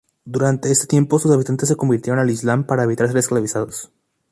Durante este tiempo sus habitantes se convirtieron al islam para evitar ser esclavizados.